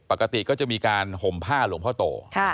ปกติก็จะมีการห่มผ้าหลวงพ่อโต